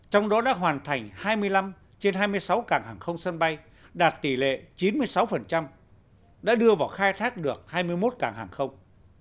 trong đó đã hoàn thành hai mươi năm trên hai mươi sáu cảng hàng không sân bay đạt tỷ lệ chín mươi sáu đã đưa vào khai thác được hai mươi một cảng hàng không